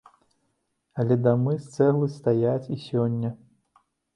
Але дамы з цэглы стаяць і сёння.